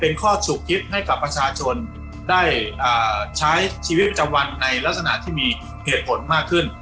ในลักษณะที่มีเหตุผลมากขึ้น